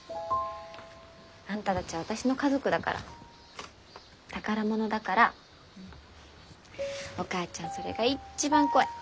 あんたたちは私の家族だから宝物だからお母ちゃんそれが一番怖い。